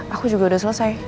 aku juga udah selesai